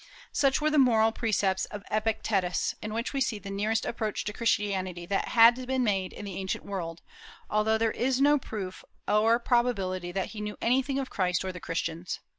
Such were the moral precepts of Epictetus, in which we see the nearest approach to Christianity that had been made in the ancient world, although there is no proof or probability that he knew anything of Christ or the Christians.